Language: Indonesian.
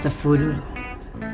ustadz sepuh dulu